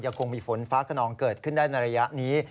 คงมีฝนฟ้าขนองเกิดขึ้นได้ในระยะนี้